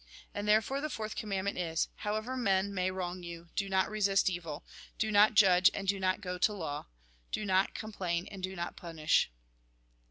And, therefore, the fourth commandment is : However men may wrong you, do not resist evil, do not judge and do not go to law, do not com plain and do not punish.